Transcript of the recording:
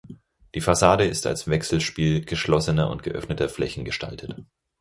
Die Fassade ist als Wechselspiel geschlossener und geöffneter Flächen gestaltet.